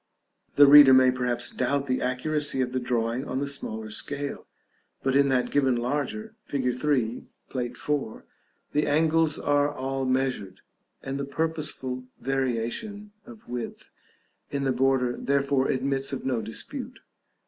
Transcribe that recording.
The reader may perhaps doubt the accuracy of the drawing on the smaller scale, but in that given larger, fig. 3, Plate IV., the angles are all measured, and the purposeful variation of width in the border therefore admits of no dispute.